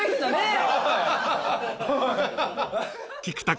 ［菊田君